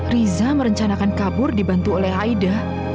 riza merencanakan kabur dibantu oleh aida